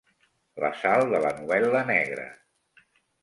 La sal de la novel·la negra.